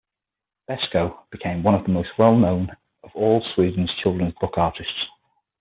Beskow became one of the most well known of all Swedish children's book artists.